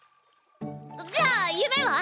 じゃあ夢は？